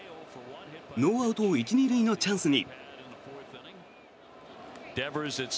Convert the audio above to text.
ノーアウト１・２塁のチャンスに。